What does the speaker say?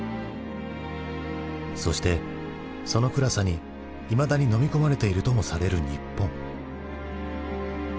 そしてその暗さにいまだにのみ込まれているともされる日本。